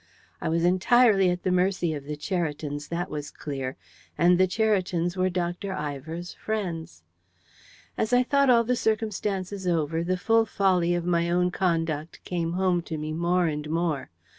I was entirely at the mercy of the Cheritons, that was clear: and the Cheritons were Dr. Ivor's friends. As I thought all the circumstances over, the full folly of my own conduct came home to me more and more.